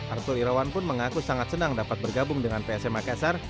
arsul irawan pun mengaku sangat senang dapat bergabung dengan psm makassar